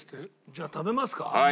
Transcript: じゃあ食べますか？